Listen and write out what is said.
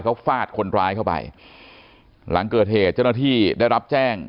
เขาฟาดคนร้ายเข้าไปหลังเกิดเหตุเจ้าหน้าที่ได้รับแจ้ง